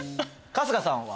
春日さんは？